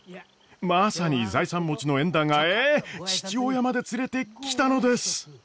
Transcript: まさに財産持ちの縁談がええっ父親まで連れてきたのです！